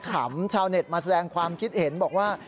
ชาวเน็ตมาแสดงความคิดเห็นบอกว่า